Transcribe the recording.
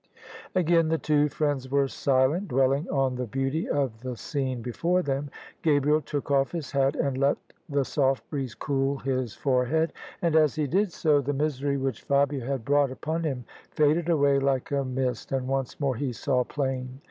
Again the two friends were silent, dwelling on the beauty of the scene before them. Gabriel took off his hat, and let the soft breeze cool his forehead; and as he did so, the misery which Fabia had brought upon him faded away like a mist, and once more he saw plain.